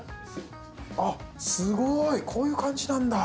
すごいこういう感じなんだ。